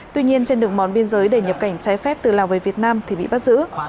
tuy nhiên trên đường mòn biên giới để nhập cảnh trái phép từ lào về việt nam thì bị bắt giữ